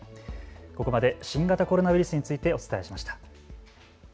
ここまで新型コロナウイルスについてお伝えしました。